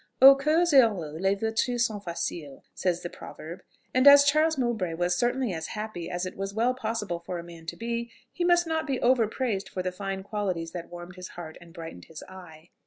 "Aux coeurs heureux les vertus sont faciles," says the proverb; and as Charles Mowbray was certainly as happy as it was well possible for a man to be, he must not be overpraised for the fine qualities that warmed his heart and brightened his eye.